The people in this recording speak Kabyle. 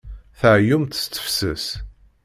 Tɛeyyumt s tefses.